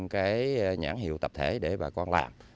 cái nhãn hiệu tập thể để bà con làm